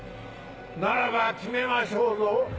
ならば決めましょうぞ。